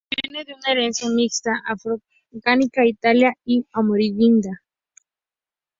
Proviene de una herencia mixta afroamericana, italiana y amerindia.